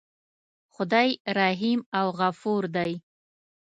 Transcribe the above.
خدای رحیم او غفور دی.